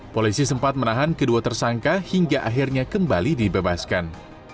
polisi sempat menahan kedua tersangka hingga akhirnya kembali dibebaskan